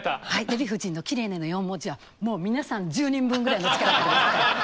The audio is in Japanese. デヴィ夫人の「きれいね」の４文字はもう皆さん１０人分ぐらいの力ですから。